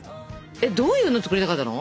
どういうのを作りたかったの？